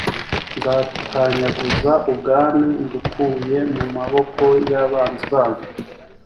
nzatanyaguza ubwami mbukuye mu maboko ya banzi banyu